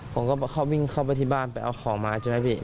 ผมก็เขาวิ่งเข้าไปที่บ้านไปเอาของมาใช่ไหมพี่